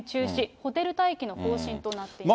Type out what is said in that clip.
ホテル待機の方針となっています。